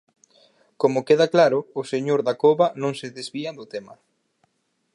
Como queda claro, o señor Dacova non se desvía do tema.